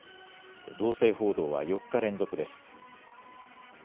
動静報道は４日連続です。